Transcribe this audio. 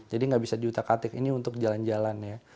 jadi nggak bisa diutak atik ini untuk jalan jalan ya